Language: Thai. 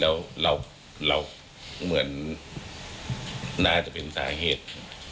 แล้วเราเหมือนน่าจะเป็นสาเหตุ